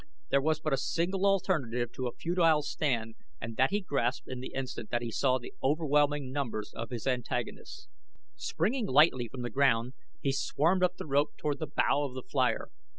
There was but a single alternative to a futile stand and that he grasped in the instant that he saw the overwhelming numbers of his antagonists. Springing lightly from the ground he swarmed up the rope toward the bow of the flier.